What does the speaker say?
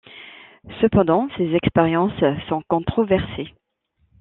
Cependant, ces expériences sont controversées.